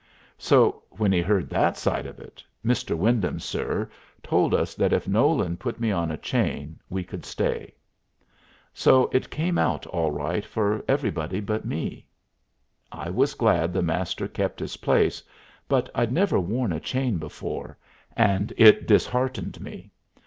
So when he heard that side of it, "Mr. Wyndham, sir," told us that if Nolan put me on a chain we could stay. So it came out all right for everybody but me. I was glad the Master kept his place, but I'd never worn a chain before, and it disheartened me.